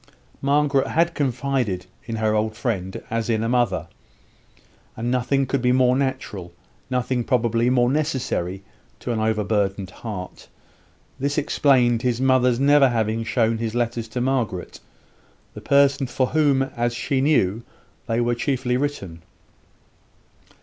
Margaret had confided in her old friend as in a mother; and nothing could be more natural nothing probably more necessary to an overburdened heart. This explained his mother's never having shown his letters to Margaret the person for whom, as she knew, they were chiefly written.